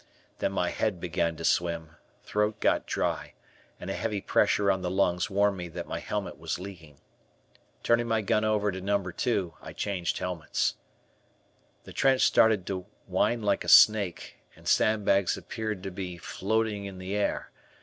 Then my head began to swim, throat got dry, and a heavy pressure on the lungs warned me that my helmet was leaking. Turning my gun over to No. 2, I changed helmets. The trench started to wind like a snake, and sandbags appeared to be floating in the air.